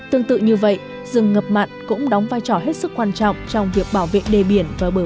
tương tự như vậy rừng ngập mặn cũng đóng vai trò hết sức quan trọng trong việc bảo vệ đề biển và bờ